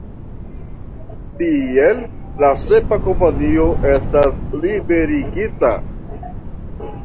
Tiel la sepa kompanio estas liberigita.